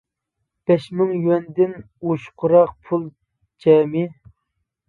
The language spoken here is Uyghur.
بەش مىڭ يۈەندىن ئوشۇقراق پۇل جەمئىي.